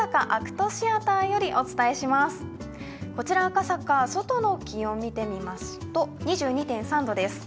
こちら赤坂、外の気温を見てみますと２２．３度です。